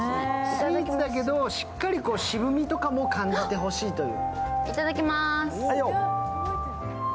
スイーツだけど、しっかり渋みとかも感じてほしいという。